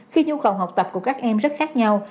khi nhu cầu học tập của các em rất khác nhau